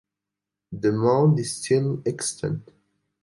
The mound is still extant.